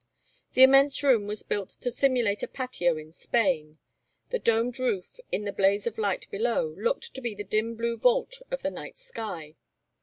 The immense room was built to simulate a patio in Spain. The domed roof, in the blaze of light below, looked to be the dim blue vault of the night sky.